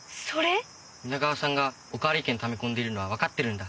皆川さんがおかわり券ため込んでいるのはわかってるんだ。